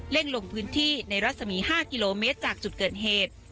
ลงพื้นที่ในรัศมี๕กิโลเมตรจากจุดเกิดเหตุ